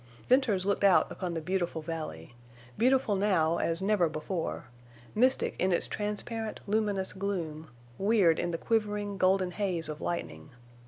Venters looked out upon the beautiful valley—beautiful now as never before—mystic in its transparent, luminous gloom, weird in the quivering, golden haze of lightning.